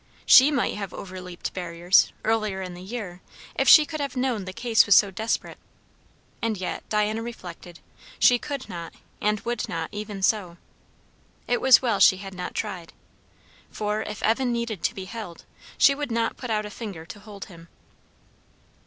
She might have overleaped barriers, earlier in the year, if she could have known the case was so desperate; and yet, Diana reflected, she could not and would not, even so. It was well she had not tried. For if Evan needed to be held, she would not put out a finger to hold him.